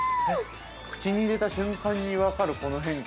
◆口に入れた瞬間に分かるこの変化。